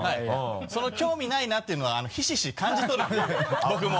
その興味ないなっていうのはヒシヒシ感じ取るんで僕も。